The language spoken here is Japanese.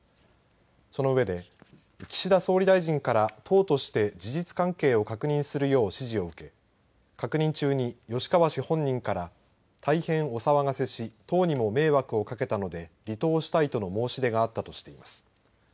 その上で岸田総理大臣から党として事実関係を確認するよう指示を受け確認中に吉川氏本人から大変お騒がせし党にも迷惑をかけたので離党したいとの申し出があったとしています。